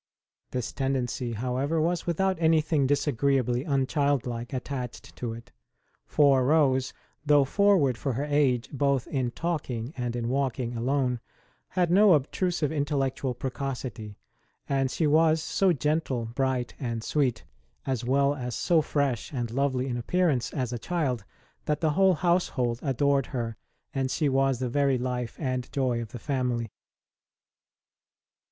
This tendency, however, was without anything disagreeably unchildlike attached to it ; for Rose, though forward for her age both in talking and in walking alone, had no obtrusive intellectual precocity ; and she was so gentle, bright and sweet, as well as so fresh and lovely in appearance, as a child, that the whole household adored her and she was the very life and joy of the family.